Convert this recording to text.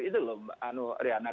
itu loh riana